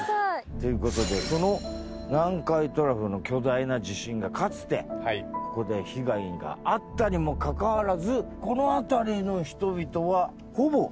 という事でその南海トラフの巨大な地震がかつてここで被害があったにもかかわらずこの辺りの人々はほぼ無事だったという話なんですが。